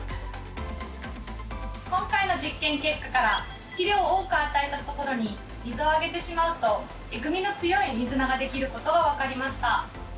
今回の実験結果から肥料を多く与えたところに水をあげてしまうとえぐみの強いミズナができることが分かりました。